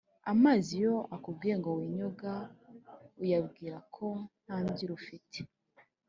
Amazi iyo akubwiye ngo winyoga uyabwira ko ntambyiro ufite